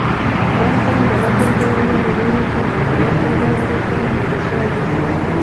قران کریم د الله ج له لورې په محمد ص نازل شوی دی.